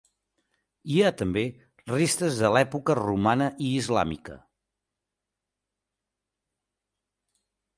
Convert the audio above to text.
Hi ha també restes de l'època romana i islàmica.